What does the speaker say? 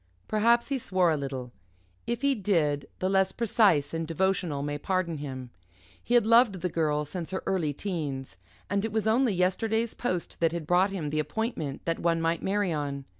Perhaps he swore a little. If he did, the less precise and devotional may pardon him. He had loved the Girl since her early teens, and it was only yesterday's post that had brought him the appointment that one might marry on.